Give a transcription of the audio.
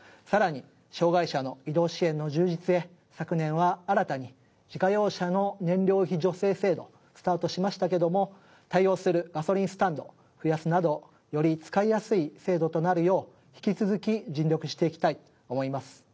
さらに障がい者の移動支援の充実へ昨年は新たに自家用車の燃料費助成制度をスタートしましたけども対応するガソリンスタンドを増やすなどより使いやすい制度となるよう引き続き尽力していきたいと思います。